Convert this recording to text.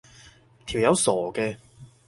條友傻嘅